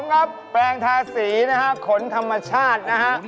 ของผมครับแปลงทาสีขนธรรมชาตินะฮะ